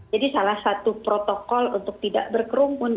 jadi salah satu protokol untuk tidak berkerumpun